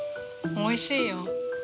おいしいよ。